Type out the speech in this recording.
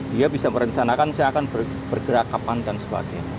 dia bisa merencanakan saya akan bergerak kapan dan sebagainya